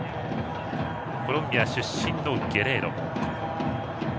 コロンビア出身のゲレーロ。